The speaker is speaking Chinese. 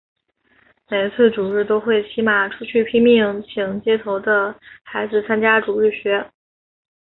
每次主日都会骑马出去拼命请街头的孩子参加主日学。